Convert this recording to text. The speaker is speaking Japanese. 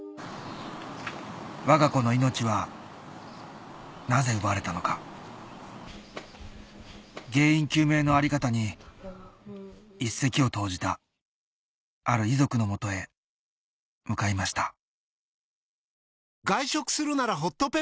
わが子の命はなぜ奪われたのか原因究明のあり方に一石を投じたある遺族の元へ向かいました